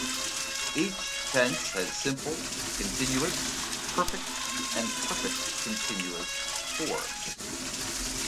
Each tense has simple, continuous, perfect, and perfect continuous forms.